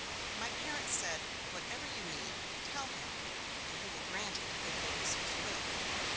My parents said: 'Whatever you need, tell Him and He will grant it, if it is His will.'